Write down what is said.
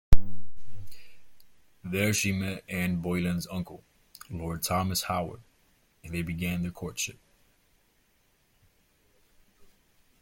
There she met Anne Boleyn's uncle, Lord Thomas Howard, and they began their courtship.